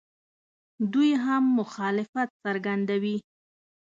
دوی هم مخالفت څرګندوي.